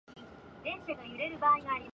Other roles included an episode of Halifax f.p.